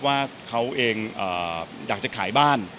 ว่าเขาเองอยากจะขายบ้าน